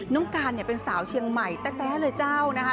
น้องการเนี่ยเป็นสาวเชียงใหม่แต๊ะเลยเจ้านะคะ